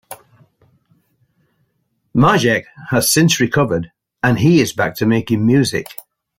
Majek has since recovered and he is back to making music.